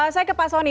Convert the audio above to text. saya ke pak sony